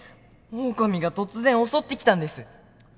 オオカミが突然襲ってきたんです！